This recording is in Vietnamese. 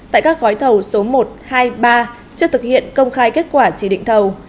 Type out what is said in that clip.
tại các gói thầu số một hai ba trước thực hiện công khai kết quả chỉ định thầu